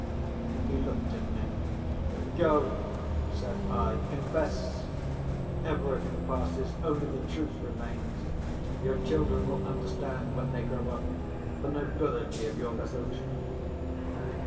He looked at me. "Go!" said I, "confess. Everything passes, only the truth remains. Your children will understand, when they grow up, the nobility of your resolution."